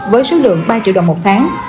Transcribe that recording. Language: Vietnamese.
với số lượng ba triệu đồng một tháng